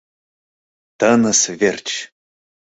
Тыныс верч!